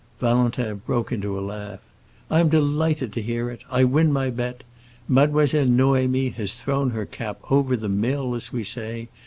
Valentin broke into a laugh. "I am delighted to hear it! I win my bet. Mademoiselle Noémie has thrown her cap over the mill, as we say.